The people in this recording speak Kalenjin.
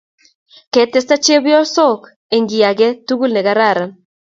ketesta chepkoysok eng kei age tugul ko kararan